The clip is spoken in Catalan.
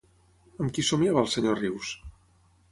Amb qui somiava el senyor Rius?